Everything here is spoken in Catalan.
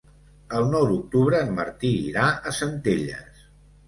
El nou d'octubre en Martí irà a Centelles.